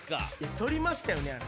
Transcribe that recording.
取りましたよねあなた。